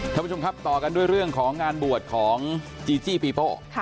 ท่านผู้ชมครับต่อกันด้วยเรื่องของงานบวชของจีจี้ปีโป้